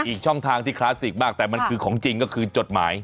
อีกช่องทางที่คลาสสิกมากแต่มันคือของจริงก็คือจดหมาย